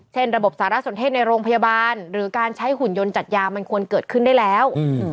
ระบบสารสนเทศในโรงพยาบาลหรือการใช้หุ่นยนต์จัดยามันควรเกิดขึ้นได้แล้ว